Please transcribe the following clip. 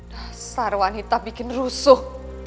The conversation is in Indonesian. dasar wanita bikin rusuh